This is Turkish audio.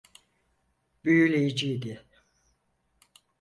Büyüleyiciydi.